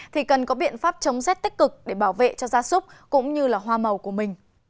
thì cần có biện pháp chống rét tích cực để bảo vệ cho gia súc cũng như là hoa màu của mình